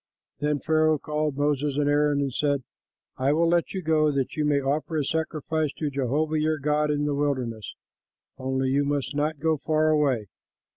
Then Pharaoh called for Moses and Aaron and said, "I will let you go that you may offer a sacrifice to Jehovah your God in the wilderness; only you must not go far away.